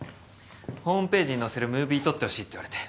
ホームページに載せるムービー撮ってほしいって言われて。